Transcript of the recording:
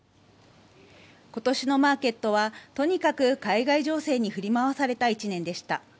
今年のマーケットはとにかく海外情勢に振り回された１年でした。